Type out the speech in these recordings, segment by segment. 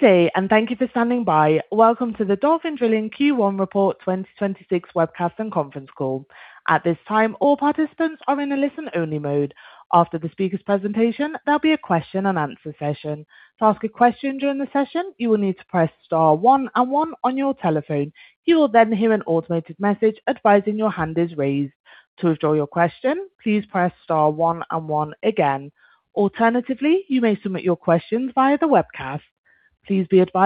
Thank you for standing by. Welcome to the Dolphin Drilling Q1 Report 2026 Webcast and Conference Call. I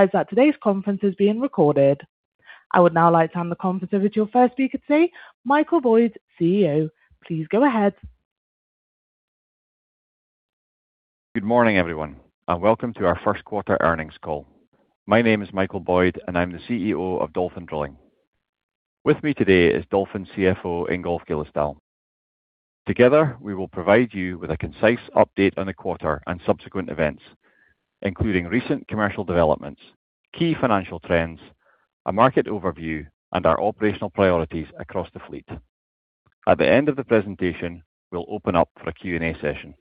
would now like to hand the conference over to your first speaker today, Michael Boyd, CEO. Please go ahead. Good morning, everyone, and welcome to our first quarter earnings call. My name is Michael Boyd, and I'm the CEO of Dolphin Drilling. With me today is Dolphin CFO, Ingolf Gillesdal. Together, we will provide you with a concise update on the quarter and subsequent events, including recent commercial developments, key financial trends, a market overview, and our operational priorities across the fleet. At the end of the presentation, we'll open up for a Q&A session.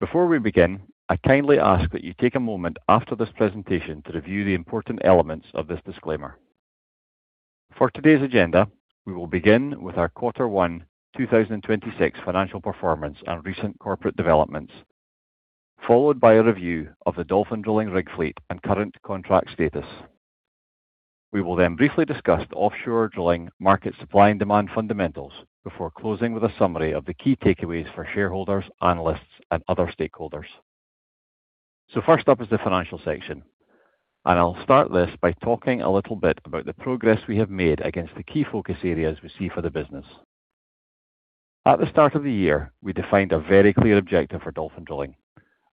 Before we begin, I kindly ask that you take a moment after this presentation to review the important elements of this disclaimer. For today's agenda, we will begin with our quarter one 2026 financial performance and recent corporate developments, followed by a review of the Dolphin Drilling rig fleet and current contract status. We will then briefly discuss the offshore drilling market supply and demand fundamentals before closing with a summary of the key takeaways for shareholders, analysts, and other stakeholders. First up is the financial section, and I'll start this by talking a little bit about the progress we have made against the key focus areas we see for the business. At the start of the year, we defined a very clear objective for Dolphin Drilling,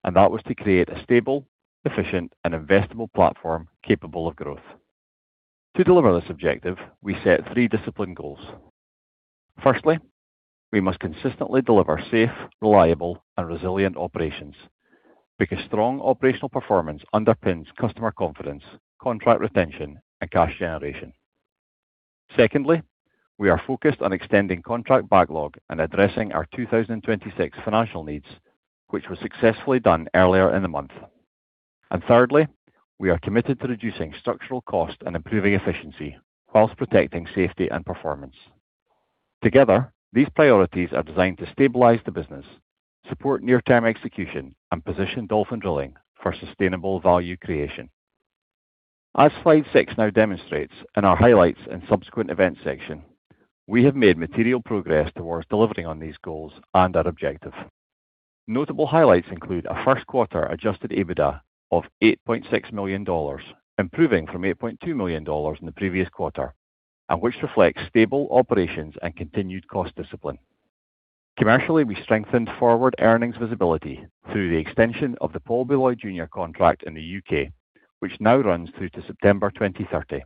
and that was to create a stable, efficient, and investable platform capable of growth. To deliver this objective, we set three discipline goals. Firstly, we must consistently deliver safe, reliable, and resilient operations because strong operational performance underpins customer confidence, contract retention, and cash generation. Secondly, we are focused on extending contract backlog and addressing our 2026 financial needs, which was successfully done earlier in the month. Thirdly, we are committed to reducing structural cost and improving efficiency whilst protecting safety and performance. Together, these priorities are designed to stabilize the business, support near-term execution, and position Dolphin Drilling for sustainable value creation. As slide six now demonstrates in our highlights and subsequent events section, we have made material progress towards delivering on these goals and our objective. Notable highlights include a first quarter adjusted EBITDA of $8.6 million, improving from $8.2 million in the previous quarter, and which reflects stable operations and continued cost discipline. Commercially, we strengthened forward earnings visibility through the extension of the Paul B. Loyd, Jr. contract in the U.K., which now runs through to September 2030.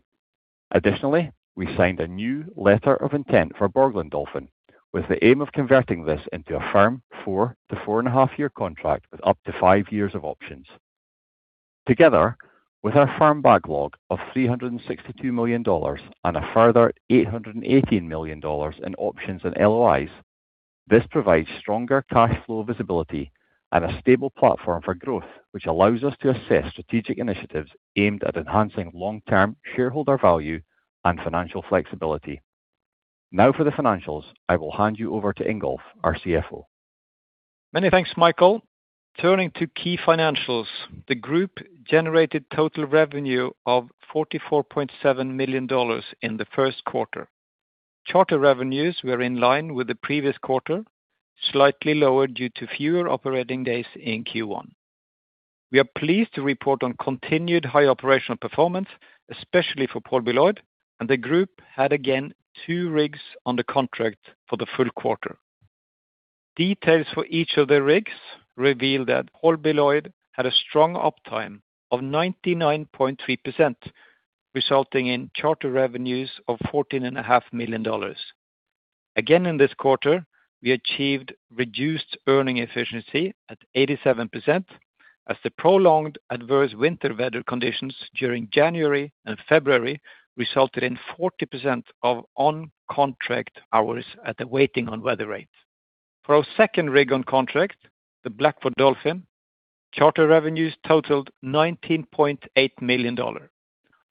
Additionally, we signed a new Letter of Intent for Borgland Dolphin with the aim of converting this into a firm four to four-and-a-half year contract with up to five years of options. Together with our firm backlog of $362 million and a further $818 million in options and LOIs, this provides stronger cash flow visibility and a stable platform for growth, which allows us to assess strategic initiatives aimed at enhancing long-term shareholder value and financial flexibility. Now for the financials, I will hand you over to Ingolf, our CFO. Many thanks, Michael. Turning to key financials, the group generated total revenue of $44.7 million in the first quarter. Charter revenues were in line with the previous quarter, slightly lower due to fewer operating days in Q1. We are pleased to report on continued high operational performance, especially for Paul B. Loyd, and the group had again two rigs under contract for the full quarter. Details for each of the rigs reveal that Paul B. Loyd had a strong uptime of 99.3%, resulting in charter revenues of $14.5 million. Again, in this quarter, we achieved reduced earning efficiency at 87% as the prolonged adverse winter weather conditions during January and February resulted in 40% of on-contract hours at the waiting on weather rate. For our second rig on contract, the Blackford Dolphin, charter revenues totaled $19.8 million.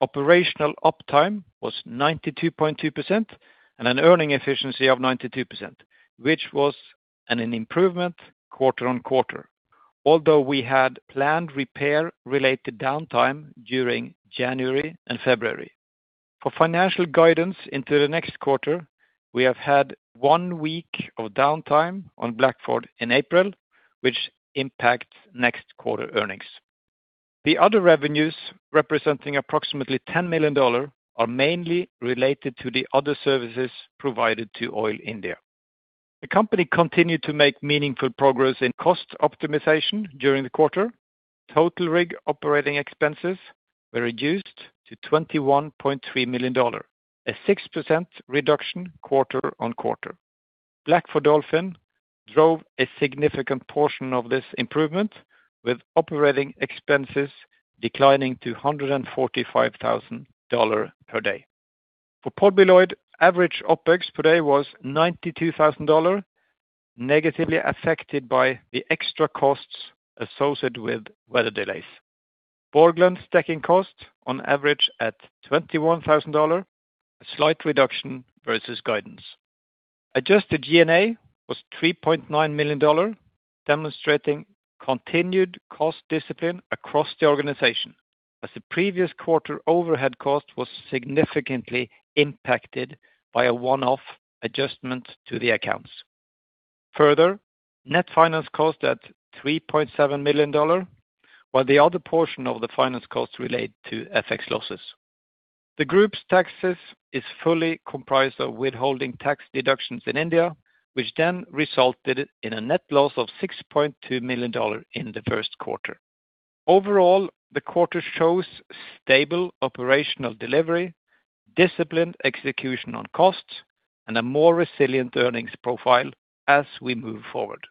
Operational uptime was 92.2% and an earning efficiency of 92%, which was an improvement quarter-on-quarter. Although we had planned repair-related downtime during January and February. For financial guidance into the next quarter, we have had one week of downtime on Blackford Dolphin in April, which impacts next quarter earnings. The other revenues, representing approximately $10 million, are mainly related to the other services provided to Oil India Limited. The company continued to make meaningful progress in cost optimization during the quarter. Total rig operating expenses were reduced to $21.3 million, a 6% reduction quarter-on-quarter. Blackford Dolphin drove a significant portion of this improvement, with operating expenses declining to $145,000 per day. For Paul B. Loyd, Jr., average OpEx per day was $92,000. Negatively affected by the extra costs associated with weather delays. Borgland Dolphin stacking cost, on average at $21,000, a slight reduction versus guidance. Adjusted G&A was $3.9 million, demonstrating continued cost discipline across the organization as the previous quarter overhead cost was significantly impacted by a one-off adjustment to the accounts. Net finance cost at $3.7 million, while the other portion of the finance cost relate to FX losses. The group's taxes is fully comprised of withholding tax deductions in India, which then resulted in a net loss of $6.2 million in the first quarter. Overall, the quarter shows stable operational delivery, disciplined execution on costs, and a more resilient earnings profile as we move forward.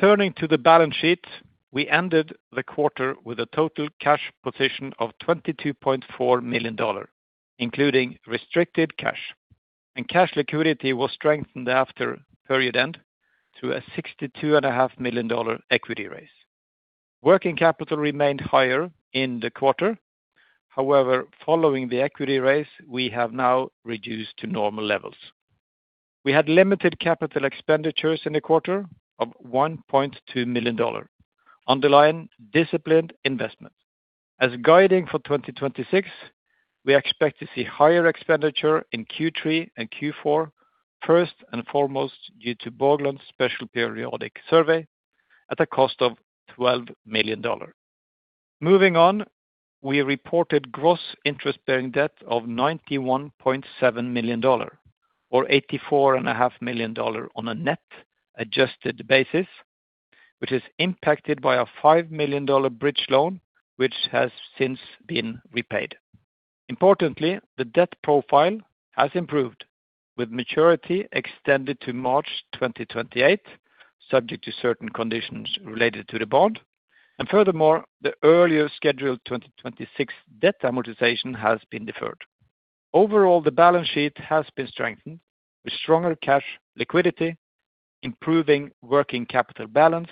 Turning to the balance sheet, we ended the quarter with a total cash position of $22.4 million, including restricted cash. Cash liquidity was strengthened after period end through a $62.5 million equity raise. Working capital remained higher in the quarter. Following the equity raise, we have now reduced to normal levels. We had limited CapEx in the quarter of $1.2 million underlying disciplined investment. As guiding for 2026, we expect to see higher expenditure in Q3 and Q4, first and foremost due to Borgland's special periodic survey at a cost of $12 million. Moving on, we reported gross interest-bearing debt of $91.7 million, or $84.5 million on a net adjusted basis, which is impacted by a $5 million bridge loan, which has since been repaid. Importantly, the debt profile has improved, with maturity extended to March 2028, subject to certain conditions related to the bond. Furthermore, the earlier scheduled 2026 debt amortization has been deferred. Overall, the balance sheet has been strengthened with stronger cash liquidity, improving working capital balance,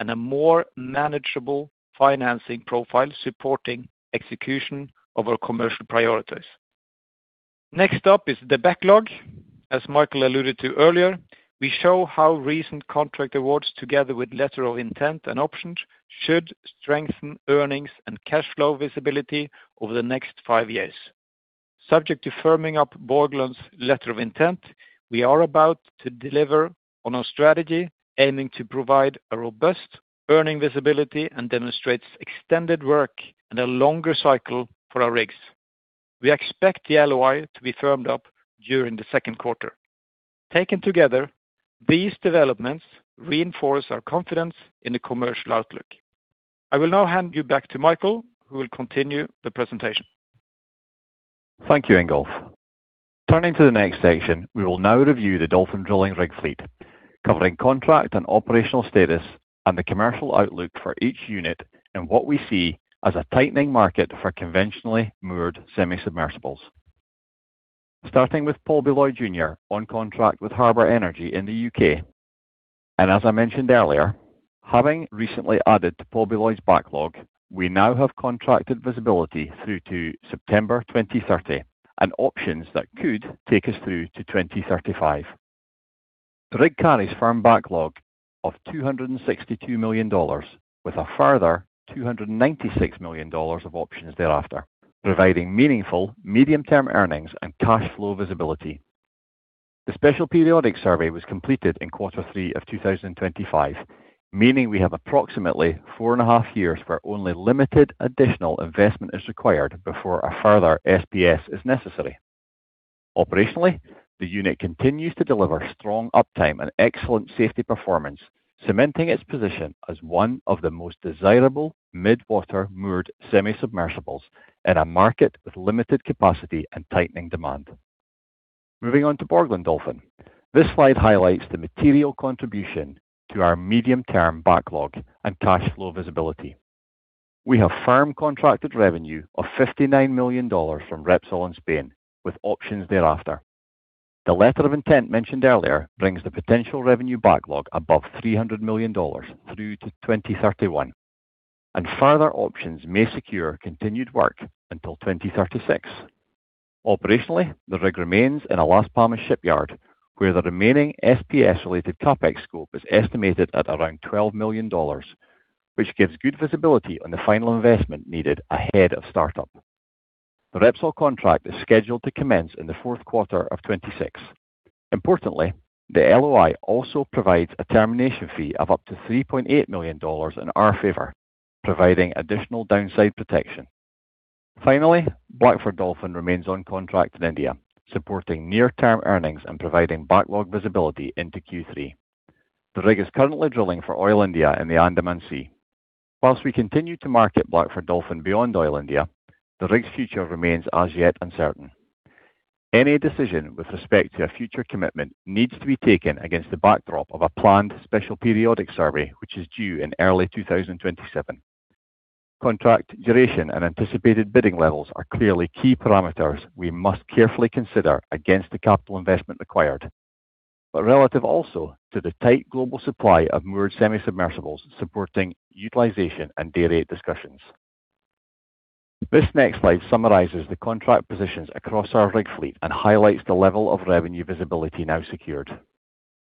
and a more manageable financing profile supporting execution of our commercial priorities. Next up is the backlog. As Michael alluded to earlier, we show how recent contract awards together with Letter of Intent and options should strengthen earnings and cash flow visibility over the next five years. Subject to firming up Borgland's Letter of Intent, we are about to deliver on our strategy, aiming to provide a robust earning visibility and demonstrates extended work and a longer cycle for our rigs. We expect the LOI to be firmed up during the second quarter. Taken together, these developments reinforce our confidence in the commercial outlook. I will now hand you back to Michael, who will continue the presentation. Thank you, Ingolf. Turning to the next section, we will now review the Dolphin Drilling rig fleet, covering contract and operational status and the commercial outlook for each unit and what we see as a tightening market for conventionally moored semi-submersibles. Starting with Paul B. Loyd, Jr. on contract with Harbour Energy in the U.K. As I mentioned earlier, having recently added to Paul B. Loyd's backlog, we now have contracted visibility through to September 2030 and options that could take us through to 2035. The rig carries firm backlog of $262 million, with a further $296 million of options thereafter, providing meaningful medium-term earnings and cash flow visibility. The special periodic survey was completed in quarter three of 2025, meaning we have approximately four and a half years where only limited additional investment is required before a further SPS is necessary. Operationally, the unit continues to deliver strong uptime and excellent safety performance, cementing its position as one of the most desirable mid-water moored semi-submersibles in a market with limited capacity and tightening demand. Moving on to Borgland Dolphin. This slide highlights the material contribution to our medium-term backlog and cash flow visibility. We have firm contracted revenue of $59 million from Repsol in Spain, with options thereafter. The letter of intent mentioned earlier brings the potential revenue backlog above $300 million through to 2031, and further options may secure continued work until 2036. Operationally, the rig remains in a Las Palmas shipyard, where the remaining SPS-related CapEx scope is estimated at around $12 million, which gives good visibility on the final investment needed ahead of startup. The Repsol contract is scheduled to commence in the fourth quarter of 2026. Importantly, the LOI also provides a termination fee of up to $3.8 million in our favor, providing additional downside protection. Finally, Blackford Dolphin remains on contract in India, supporting near-term earnings and providing backlog visibility into Q3. The rig is currently drilling for Oil India in the Andaman Sea. Whilst we continue to market Blackford Dolphin beyond Oil India, the rig's future remains as yet uncertain. Any decision with respect to a future commitment needs to be taken against the backdrop of a planned special periodic survey, which is due in early 2027. Contract duration and anticipated bidding levels are clearly key parameters we must carefully consider against the capital investment required, but relative also to the tight global supply of moored semi-submersibles supporting utilization and day rate discussions. This next slide summarizes the contract positions across our rig fleet and highlights the level of revenue visibility now secured.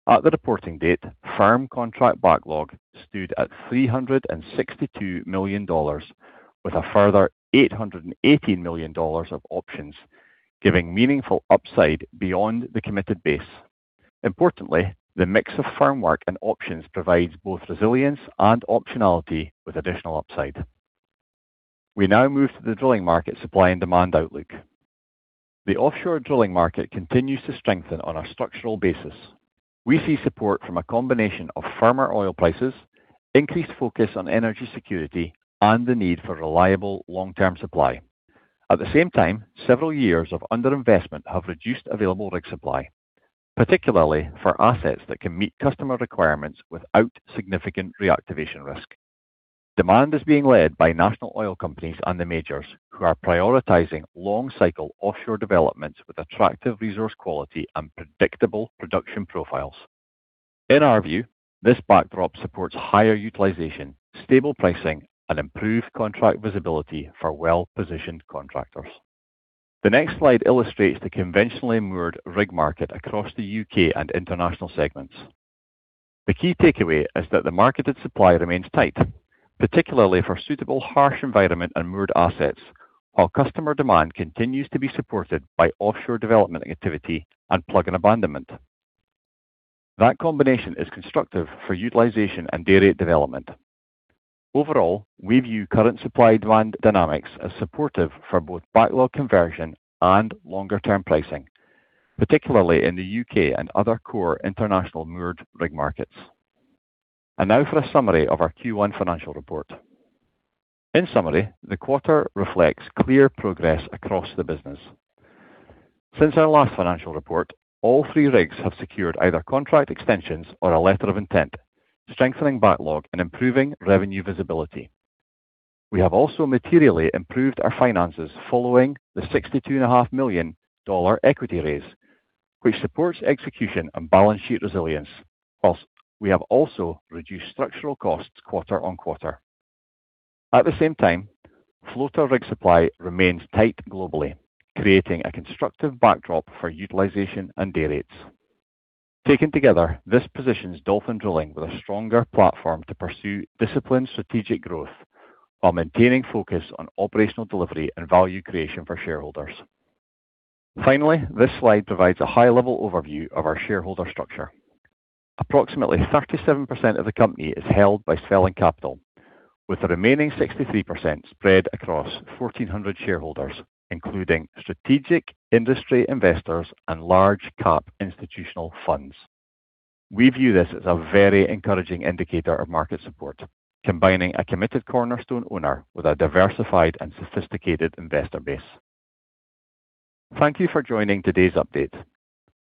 At the reporting date, firm contract backlog stood at $362 million, with a further $818 million of options, giving meaningful upside beyond the committed base. Importantly, the mix of firm work and options provides both resilience and optionality with additional upside. We now move to the drilling market supply and demand outlook. The offshore drilling market continues to strengthen on a structural basis. We see support from a combination of firmer oil prices, increased focus on energy security, and the need for reliable long-term supply. At the same time, several years of underinvestment have reduced available rig supply, particularly for assets that can meet customer requirements without significant reactivation risk. Demand is being led by national oil companies and the majors who are prioritizing long-cycle offshore developments with attractive resource quality and predictable production profiles. In our view, this backdrop supports higher utilization, stable pricing, and improved contract visibility for well-positioned contractors. The next slide illustrates the conventionally moored rig market across the U.K. and international segments. The key takeaway is that the marketed supply remains tight, particularly for suitable harsh environment and moored assets, while customer demand continues to be supported by offshore development activity and plug and abandonment. That combination is constructive for utilization and day rate development. Overall, we view current supply demand dynamics as supportive for both backlog conversion and longer-term pricing, particularly in the U.K. and other core international moored rig markets. Now for a summary of our Q1 financial report. In summary, the quarter reflects clear progress across the business. Since our last financial report, all three rigs have secured either contract extensions or a letter of intent, strengthening backlog and improving revenue visibility. We have also materially improved our finances following the $62.5 million equity raise, which supports execution and balance sheet resilience. We have also reduced structural costs quarter on quarter. At the same time, floater rig supply remains tight globally, creating a constructive backdrop for utilization and day rates. Taken together, this positions Dolphin Drilling with a stronger platform to pursue disciplined strategic growth while maintaining focus on operational delivery and value creation for shareholders. Finally, this slide provides a high-level overview of our shareholder structure. Approximately 37% of the company is held by Svelland Capital, with the remaining 63% spread across 1,400 shareholders, including strategic industry investors and large cap institutional funds. We view this as a very encouraging indicator of market support, combining a committed cornerstone owner with a diversified and sophisticated investor base. Thank you for joining today's update.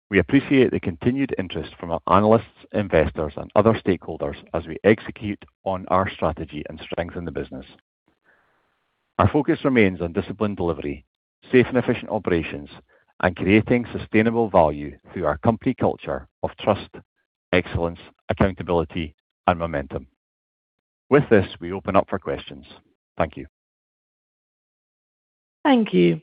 We appreciate the continued interest from our analysts, investors, and other stakeholders as we execute on our strategy and strengthen the business. Our focus remains on disciplined delivery, safe and efficient operations, and creating sustainable value through our company culture of trust, excellence, accountability, and momentum. With this, we open up for questions. Thank you. Thank you.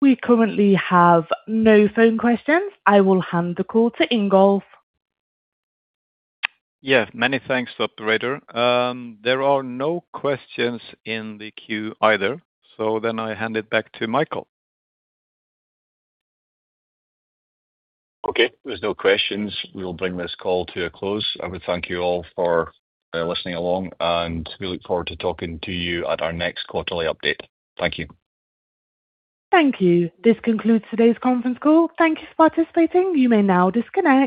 We currently have no phone questions. I will hand the call to Ingolf. Yeah. Many thanks, operator. There are no questions in the queue either. I hand it back to Michael. Okay. There's no questions. We will bring this call to a close. I would thank you all for listening along, and we look forward to talking to you at our next quarterly update. Thank you. Thank you. This concludes today's conference call. Thank you for participating. You may now disconnect.